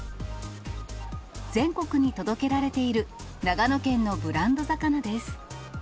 全国に届けられている長野県のブランド魚です。